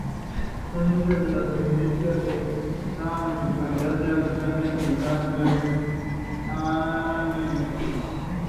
Son muchas las evidencias de que la homosexualidad era socialmente aceptada entre los amerindios.